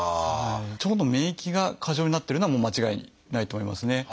腸の免疫が過剰になってるのはもう間違いないと思いますね。